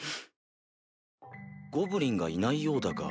ゴブリンがいないようだが？